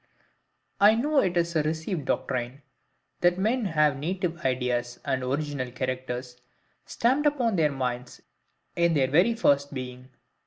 I know it is a received doctrine, that men have native ideas, and original characters, stamped upon their minds in their very first being.